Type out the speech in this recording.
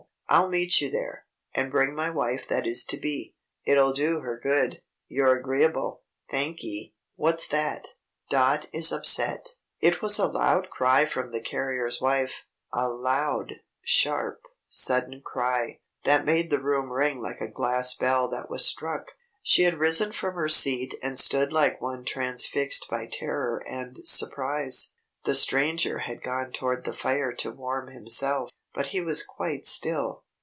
I'll meet you there, and bring my wife that is to be. It'll do her good. You're agreeable? Thankee. What's that?" Dot is Upset It was a loud cry from the carrier's wife; a loud, sharp, sudden cry, that made the room ring like a glass bell that was struck. She had risen from her seat and stood like one transfixed by terror and surprise. The Stranger had gone toward the fire to warm himself, but he was quite still.